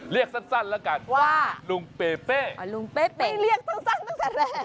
เรียกสั้นแล้วกันว่าลุงเปเป้ลุงเป้เรียกสั้นตั้งแต่แรก